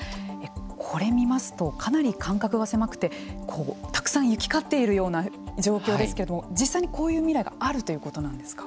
これ見ますとかなり間隔が狭くてたくさん行き交っているような状況ですけれども実際にこういう未来があるということなんですか。